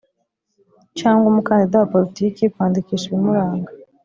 cyangwa umukandida wa politiki kwandikisha ibimuranga